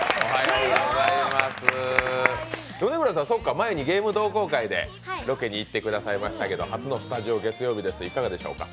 米倉さん、前にゲーム同好会でロケに行ってくれましたが、初のスタジオ月曜日です、いかがでしょうか？